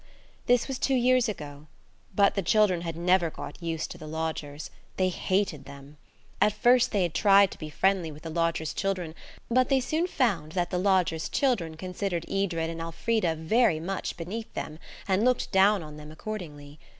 This was two years ago; but the children had never got used to the lodgers. They hated them. At first they had tried to be friendly with the lodgers' children, but they soon found that the lodgers' children considered Edred and Elfrida very much beneath them, and looked down on them accordingly.